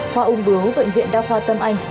khoa ung bố bệnh viện đa khoa tâm anh